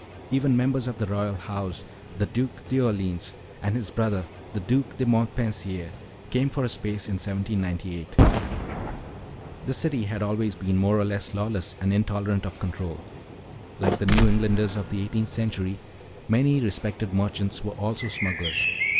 Even members of the royal house, the Duc d'Orleans and his brother, the Duc de Montpensier, came for a space in 1798. "The city had always been more or less lawless and intolerant of control. Like the New Englanders of the eighteenth century, many respected merchants were also smugglers."